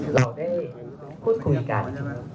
เราได้พูดคุยกัน